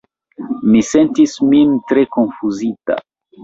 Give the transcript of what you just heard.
Mi sentis min tre konfuzita.